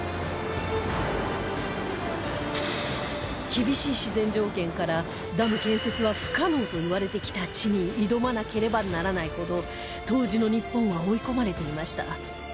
厳しい自然条件からダム建設は不可能といわれてきた地に挑まなければならないほど当時の日本は追い込まれていました